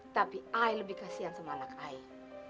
tapi ayah lebih kasihan sama anak ayah